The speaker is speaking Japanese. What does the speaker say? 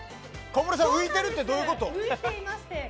小室さん、浮いているってどういうこと？